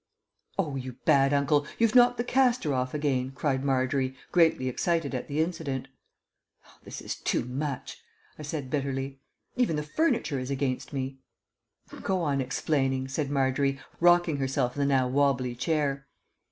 "Oh, you bad Uncle, you've knocked the castor off again," cried Margery, greatly excited at the incident. "This is too much," I said bitterly. "Even the furniture is against me." "Go on explaining," said Margery, rocking herself in the now wobbly chair.